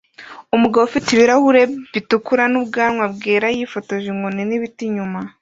Umugabo ufite ibirahuri bitukura n'ubwanwa bwera yifotoje inkoni n'ibiti inyuma